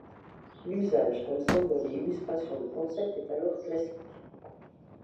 L'usage comme symbole et illustration de concept est alors classique.